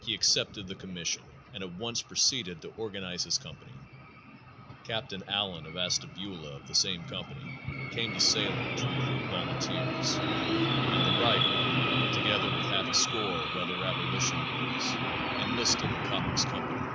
He accepted the commission and at once proceeded to organize his company. Captain Allen of Ashtabula of the same company, came to Salem to recruit volunteers and the writer, together with half a score of other abolition boys, enlisted in Coppock's company....